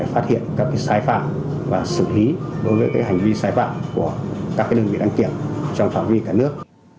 phát hiện các sai phạm và xử lý đối với hành vi sai phạm của các đơn vị đăng kiểm trong phạm vi cả nước